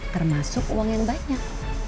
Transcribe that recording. termasuk uang yang banyak